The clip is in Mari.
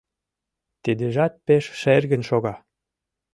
Тидыжат пеш шергын шога...